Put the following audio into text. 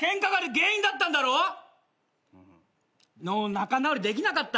仲直りできなかった？